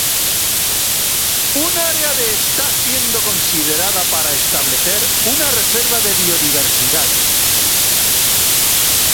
Un área de está siendo considerada para establecer una reserva de biodiversidad.